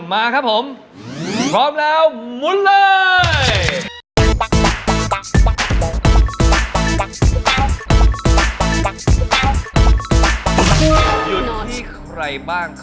มาที่น้องหยิง